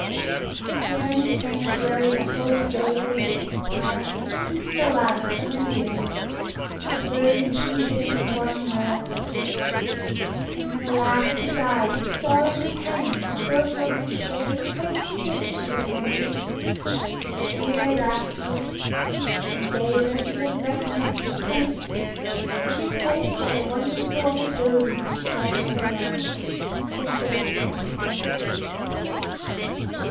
Here in his sanctuary the holy David lived his pious, peaceful life for many years, converting the heathen and performing miracles. And when at last he died his sorrowing companions built over his grave a great church to his memory, which years afterwards, when David had become recognised as a saint, was replaced by the wonderful old building which stands there now St. David's Cathedral.